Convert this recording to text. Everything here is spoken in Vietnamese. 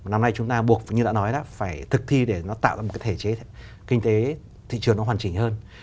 năm nay chúng ta buộc như đã nói là phải thực thi để nó tạo ra một cái thể chế kinh tế thị trường nó hoàn chỉnh hơn